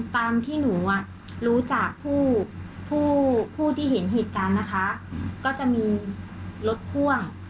ตามที่หนูอ่ะรู้จักผู้ผู้ที่เห็นเหตุการณ์นะคะก็จะมีรถพ่วง